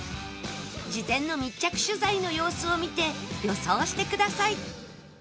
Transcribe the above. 事前の密着取材の様子を見て予想してください